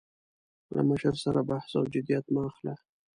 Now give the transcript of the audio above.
له مشر سره بحث او جدیت مه اخله.